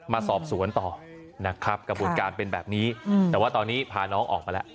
มาสอบสวนต่อนะครับกระบวนการเป็นแบบนี้แต่ว่าตอนนี้พาน้องออกมาแล้ว